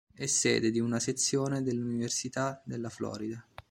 È sede di una sezione dell'Università della Florida.